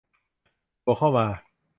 บวกเข้ามา